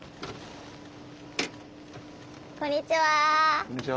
こんにちは。